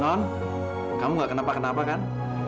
non kamu gak kenapa kenapa kan